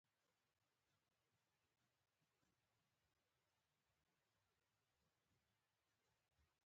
لومړۍ پوښتنه: محمد ظاهر څنګه واک ته ورسېد؟